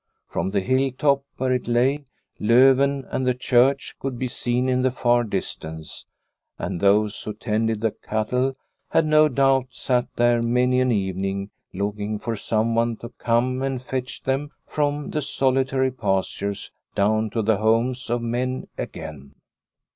From the hill top, where it lay, Loven and the church could be seen in the far distance, and those who tended the cattle had no doubt sat there many an evening looking for someone to come and fetch them from the solitary pastures down to the homes of men again.